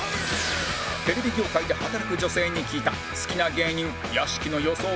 テレビ業界で働く女性に聞いた好きな芸人屋敷の予想